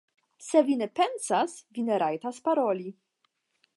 Se vi ne pensas, vi ne rajtas paroli.